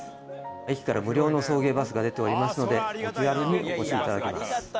駅から無料の送迎バスが出ておりますので、お気軽にお越しいただけます。